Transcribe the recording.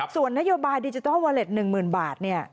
ส่วนนโยบายดิจิทัลเวอร์เล็ต๑หมื่นบาทเนี่ย